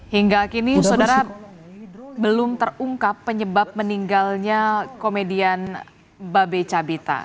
hingga kini saudara belum terungkap penyebab meninggalnya komedian babe cabita